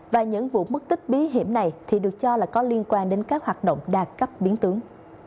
và những vụ mất tích bí hiểm này thì được cho là có liên quan đến các hoạt động đa cấp biến tướng